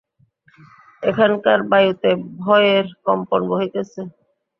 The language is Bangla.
এখানকার বায়ুতে ভয়ের কম্পন বহিতেছে।